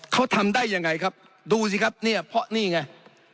เขาทำได้ยังไงครับดูสิครับเนี่ยเพราะนี่ไง